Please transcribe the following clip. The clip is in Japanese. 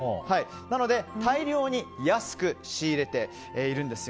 なので、大量に安く仕入れているんです。